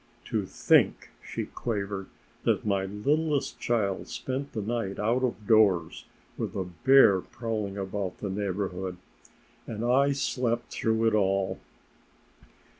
"To think," she quavered, "that my littlest child spent the night out of doors, with a bear prowling about the neighborhood! And I slept through it all!